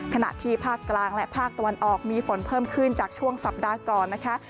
ขณะที่ภาคกลางและภาคตะวันออกมีฝนเพิ่มขึ้นจากช่วงสัปดาห์ก่อนนะคะ